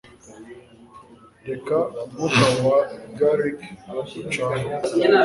reka umwuka wa gallic ucane